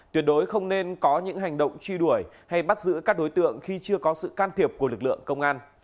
tuyệt đối không nên có những hành động truy đuổi hay bắt giữ các đối tượng khi chưa có sự can thiệp của lực lượng công an